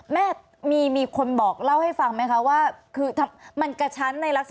เพื่อนเขาบอกไหมคะคุณแม่ว่ามาความเร็วสักประมาณเท่าไหร่คะ